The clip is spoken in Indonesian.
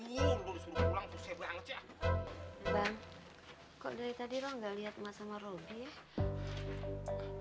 bang kok dari tadi lo gak liat emak sama robi ya